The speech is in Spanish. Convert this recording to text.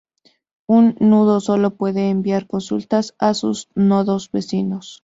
Un nodo solo puede enviar consultas a sus nodos vecinos.